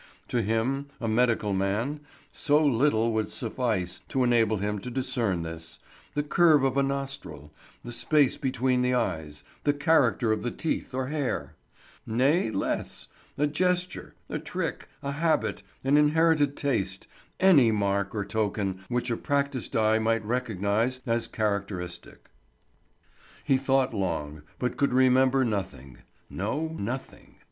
To him, a medical man, so little would suffice to enable him to discern this—the curve of a nostril, the space between the eyes, the character of the teeth or hair; nay less—a gesture, a trick, a habit, an inherited taste, any mark or token which a practised eye might recognise as characteristic. He thought long, but could remember nothing; no, nothing.